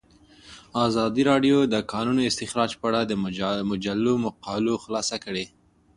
ازادي راډیو د د کانونو استخراج په اړه د مجلو مقالو خلاصه کړې.